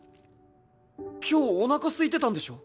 今日おなかすいてたんでしょ？